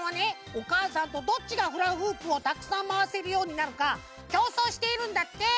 おかあさんとどっちがフラフープをたくさんまわせるようになるかきょうそうしているんだって！